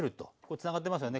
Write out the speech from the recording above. つながってますよね